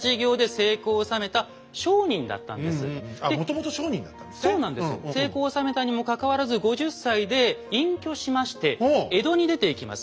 成功を収めたにもかかわらず５０歳で隠居しまして江戸に出ていきます。